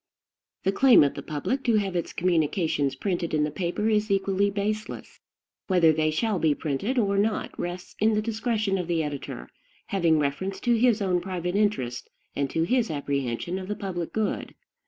The claim of the public to have its communications printed in the paper is equally baseless. Whether they shall be printed or not rests in the discretion of the editor, having reference to his own private interest, and to his apprehension of the public good.